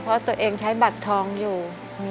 เพราะตัวเองใช้บัตรทองอยู่